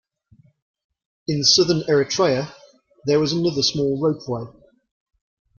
In southern Eritrea there was another small ropeway.